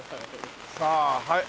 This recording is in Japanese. さあはい。